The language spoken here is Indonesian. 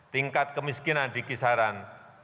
tingkat kemiskinan di kisaran